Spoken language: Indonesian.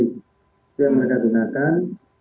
itu yang mereka gunakan